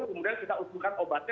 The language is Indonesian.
kemudian kita usungkan obatnya